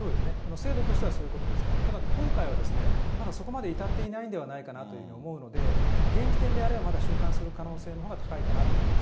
制度としてはそういうことですけど、ただ今回は、まだそこまで至っていないんではないかなというふうに思うので、現時点であれば、まだ収監する可能性のほうが高いかなと思います。